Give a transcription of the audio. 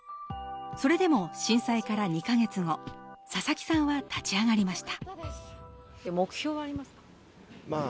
それでも震災から２か月後、佐々木さんは立ち上がりました。